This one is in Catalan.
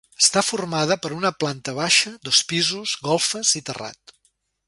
Està formada per una planta baixa, dos pisos, golfes i terrat.